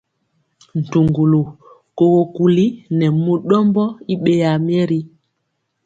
Ntuŋgulu, kogo kuli nɛ mu ɗɔmbɔ i ɓeyaa myeri.